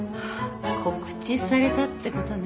告知されたってことね。